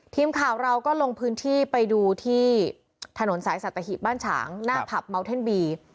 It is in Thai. ทีมข่าวเราก็ลงพื้นที่ไปดูที่ถนนสายสัตหีบบ้านฉางหน้าผับเมาเท่นบี